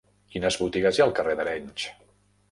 Quines botigues hi ha al carrer d'Arenys?